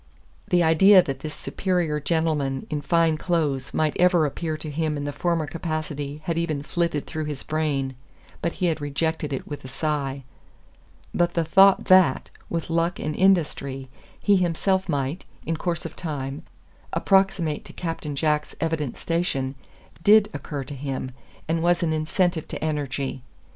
The idea that this superior gentleman in fine clothes might ever appear to him in the former capacity had even flitted through his brain, but he had rejected it with a sigh. But the thought that, with luck and industry, he himself might, in course of time, approximate to Captain Jack's evident station, DID occur to him, and was an incentive to energy.